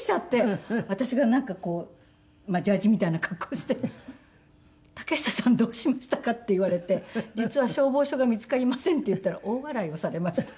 私がなんかこうジャージーみたいな格好をして「竹下さんどうしましたか？」って言われて「実は消防署が見つかりません」って言ったら大笑いをされました。